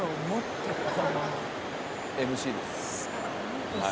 ＭＣです。